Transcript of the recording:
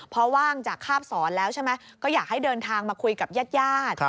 พอว่างจากคาบสอนแล้วใช่ไหมก็อยากให้เดินทางมาคุยกับญาติญาติ